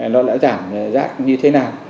nó đã giảm rác như thế nào